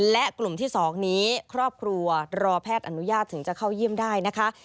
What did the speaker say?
และกลุ่มที่๒นี้ครอบครัวรอแพทย์อนุญาตถึงจะเข้าเยี่ยมได้นะคะ